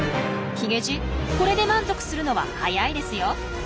ヒゲじいこれで満足するのは早いですよ。